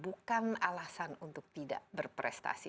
bukan alasan untuk tidak berprestasi